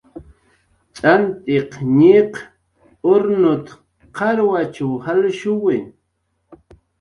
"T'antiq ñiq urnut"" ach'shut"" jalshuwi"